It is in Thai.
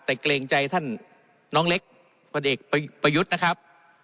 แต่เกรงใจท่านน้องเล็กพลเอกประยุทธ์นะครับ